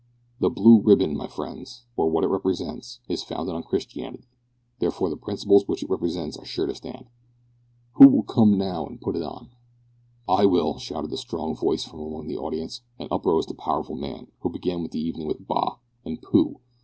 The Blue Ribbon, my friends, or what it represents, is founded on Christianity; therefore the principles which it represents are sure to stand. Who will come now and put it on?" "I will!" shouted a strong voice from among the audience, and up rose the powerful man who began the evening with "bah!" and "pooh!"